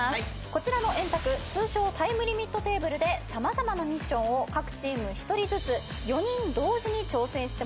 こちらの円卓通称タイムリミットテーブルで様々なミッションを各チーム１人ずつ４人同時に挑戦してもらいます。